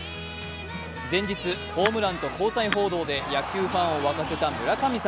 前日、ホームランと交際報道で野球ファンを沸かせた村神様。